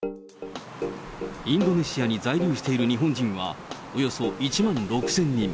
インドネシアに在留している日本人はおよそ１万６０００人。